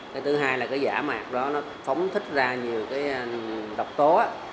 cái thứ hai là giả mạc đó phóng thích ra nhiều độc tố